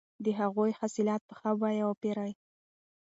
د هغوی حاصلات په ښه بیه وپېرئ.